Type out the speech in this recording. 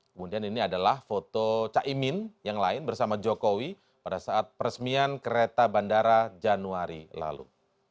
kemudian ini adalah foto caimin yang lain bersama jokowi pada saat peresmian kereta bandara januari lalu